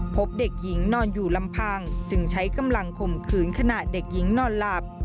พบเด็กหญิงนอนอยู่ลำพังจึงใช้กำลังข่มขืนขณะเด็กหญิงนอนหลับ